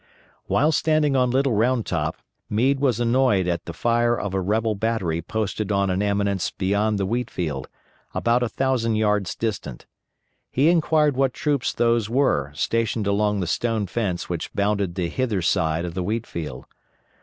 While standing on Little Round Top Meade was annoyed at the fire of a rebel battery posted on an eminence beyond the wheat field, about a thousand yards distant. He inquired what troops those were stationed along the stone fence which bounded the hither side of the wheat field.